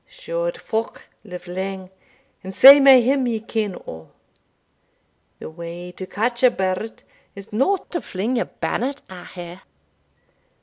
Shored folk live lang, and sae may him ye ken o'. The way to catch a bird is no to fling your bannet at her.